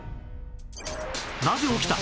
なぜ起きた？